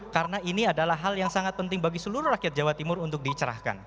karena ini adalah hal yang sangat penting bagi seluruh rakyat jawa timur untuk dicerahkan